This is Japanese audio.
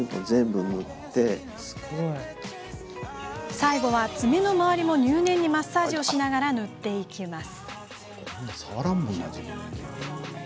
最後は、爪の周りも入念にマッサージしながら塗っていきます。